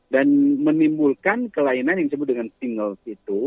dan menimbulkan kelainan yang disebut dengan tingles itu